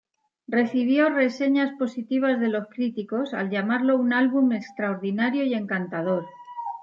Recibió reseñas positivas de los críticos, al llamarlo un álbum extraordinario y encantador.